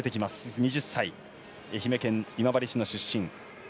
２０歳、愛媛県今治市の出身。